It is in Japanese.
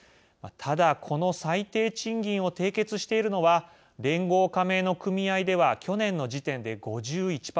ただこの最低賃金を締結しているのは連合加盟の組合では去年の時点で５１％。